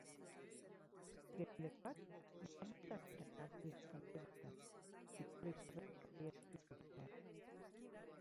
Igerilekuak normaltasunez ari dira funtzionatzen, iturri berberek adierazi dutenez.